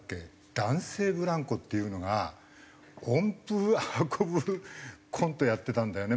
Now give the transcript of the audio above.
男性ブランコっていうのが音符運ぶコントやってたんだよね。